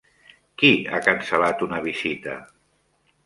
Qui ha cancel·lat una visita?